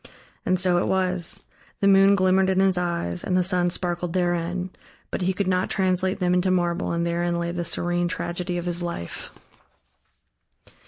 And so it was: the moon glimmered in his eyes and the sun sparkled therein. But he could not translate them into marble and therein lay the serene tragedy of his life.